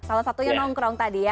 salah satunya nongkrong tadi ya